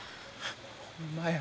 ほんまや。